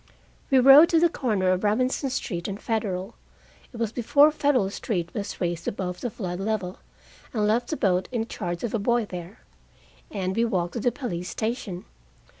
We rowed to the corner of Robinson Street and Federal it was before Federal Street was raised above the flood level and left the boat in charge of a boy there. And we walked to the police station.